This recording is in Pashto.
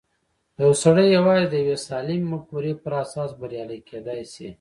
يو سړی يوازې د يوې سالمې مفکورې پر اساس بريالی کېدای شي.